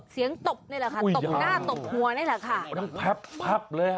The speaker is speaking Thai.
เสียงตบนี่ล่ะค่ะตบหน้าตบหัวเนี่ยล่ะค่ะ